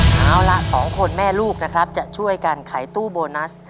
เอาละสองคนแม่ลูกนะครับจะช่วยกันขายตู้โบนัส